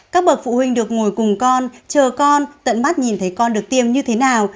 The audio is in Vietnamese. các bậc phụ huynh được ngồi cùng con chờ con tận mắt nhìn thấy con được tiêm như thế nào